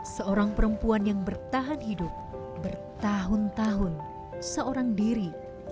seorang perempuan yang bertahan hidup bertahun tahun seorang diri